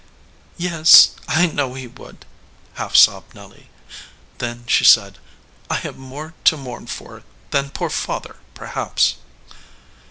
"Yes, I know he would," half sobbed Nelly. Then she said, "I have more to mourn for than poor father, perhaps."